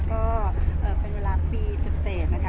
ก็เป็นเวลาปีใน๑๒นะคะ